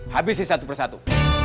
habisi satu persatu